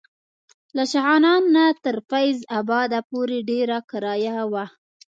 له شغنان نه تر فیض اباد پورې ډېره کرایه وه.